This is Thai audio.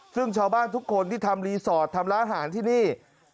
ซึ่งชาวบ้านทุกคนที่ทำรีสอร์ททำร้านอาหารที่นี่